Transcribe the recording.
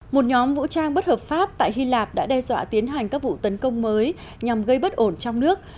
một nhóm vũ trang bất hợp pháp tại hy lạp đã đe dọa tiến hành các vụ tấn công mới nhằm gây bất ổn trong nước